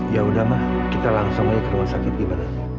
ya udah mah kita langsung aja ke rumah sakit gimana